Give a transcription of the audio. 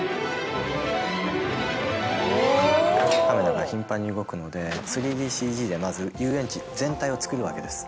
カメラが頻繁に動くので、３ＤＣＧでまず遊園地全体を作るわけです。